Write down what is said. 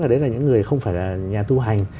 đấy là những người không phải là nhà tu hành